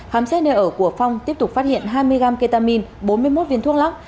khám xét nơi ở của phong tiếp tục phát hiện hai mươi gram ketamin bốn mươi một viên thuốc lắc